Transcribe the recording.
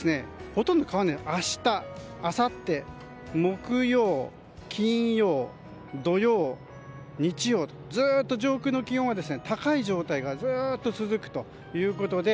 ほとんど変わらずに明日、あさって、木曜日、金曜日土曜、日曜と上空の気温は高い状態がずっと続くということで。